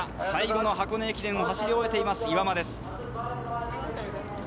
最後の箱根駅伝を走り終えた岩間です。